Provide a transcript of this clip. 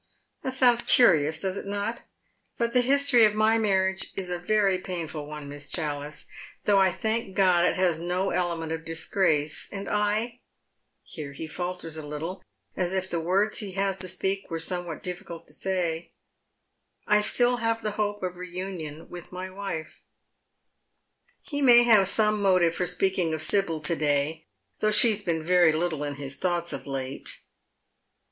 That sounds curious, frofs History. SS3 does it not ? but the history of my marriage is a very painful one, Miss Challice, though I thank God it has no element of disgrace — and I "here he falters a Httle, as if the words lie has to speak were somewhat difficult to say — "I still have the hope of reunion with my wife." lie may have some motive for speaking of Sibyl to day, though she has been very little in his thoughts of late.